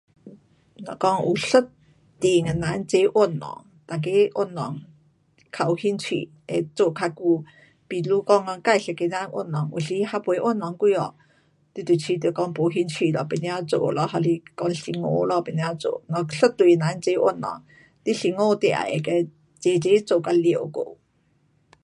若讲有一群的人齐运动，每个运动较有兴趣，会做较久。比如讲讲自一个人运动有时还没运动几下，你就觉得没兴趣了，不要做了还是讲辛苦了不要做。若一对齐做运动，辛苦你也会跟齐齐做到完过。